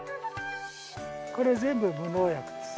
これ全部無農薬です。